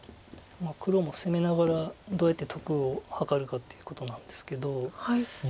黒も攻めながらどうやって得をはかるかっていうことなんですけど。